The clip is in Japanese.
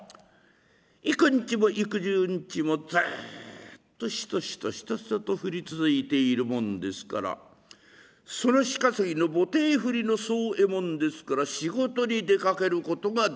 幾日も幾十日もずっとしとしとしとしとと降り続いているもんですからその日稼ぎの棒手振の宗右衛門ですから仕事に出かけることができません。